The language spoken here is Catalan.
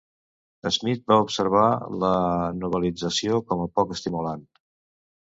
Smith va observar la novel·lització com a poc estimulant.